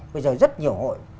bây giờ rất nhiều hội